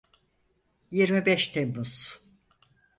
Yirmi beş Temmuz.